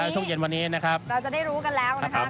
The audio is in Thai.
ช่วงเย็นวันนี้เราจะได้รู้กันแล้วนะครับ